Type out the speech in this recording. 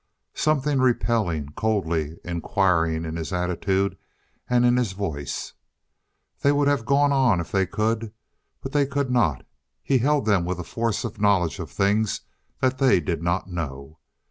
Something repelling, coldly inquiring in his attitude and in his voice. They would have gone on if they could, but they could not. He held them with a force of knowledge of things that they did not know.